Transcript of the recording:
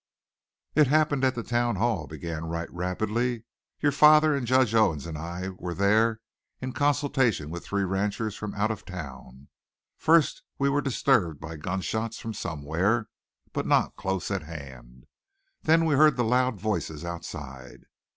"It happened at the town hall," began Wright rapidly. "Your father and Judge Owens and I were there in consultation with three ranchers from out of town. First we were disturbed by gunshots from somewhere, but not close at hand. Then we heard the loud voices outside.